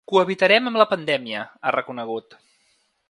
Cohabitarem amb la pandèmia, ha reconegut.